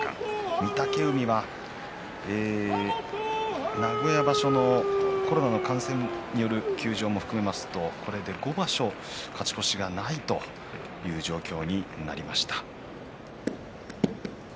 御嶽海は名古屋場所のコロナ感染による休場も含めますとこれで５場所連続勝ち越しがないという状況になりました。